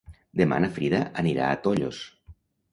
Demà na Frida anirà a Tollos.